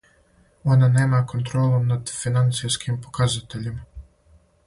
Она нема контролу над финансијским показатељима.